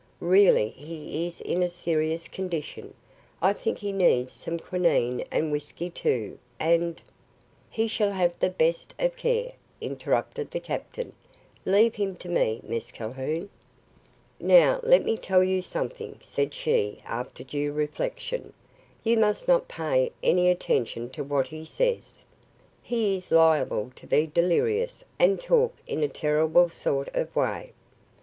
"Really, he is in a serious condition. I think he needs some quinine and whiskey, too, and " "He shall have the best of care," interrupted the captain. "Leave him to me, Miss Calhoun." "Now, let me tell you something," said she, after due reflection. "You must not pay any attention to what he says. He is liable to be delirious and talk in a terrible sort of way.